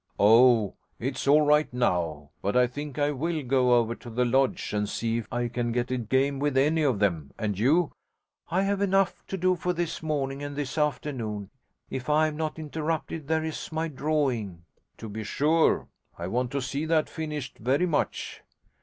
'Oh, it's all right now; but I think I will go over to the Lodge and see if I can get a game with any of them. And you?' 'I have enough to do for this morning; and this afternoon, if I am not interrupted, there is my drawing.' 'To be sure I want to see that finished very much.'